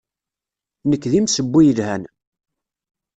Nekk d imsewwi yelhan.